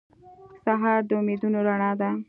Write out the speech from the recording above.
سهار د امیدونو رڼا ده.